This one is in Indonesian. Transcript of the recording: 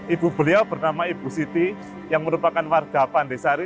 ibu beliau bernama ibu siti yang merupakan warga pandesari